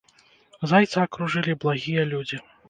Зайца акружылі благія людзі.